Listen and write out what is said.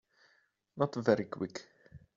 Not very Quick